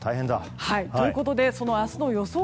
ということで、明日の予想